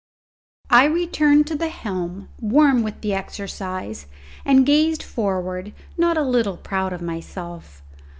I returned to the helm, warm with the exercise, and gazed forward not a little proud of my work.